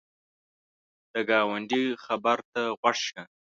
د ګاونډي خبر ته غوږ شه